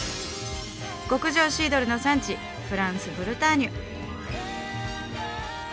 極上シードルの産地フランスブルターニュ。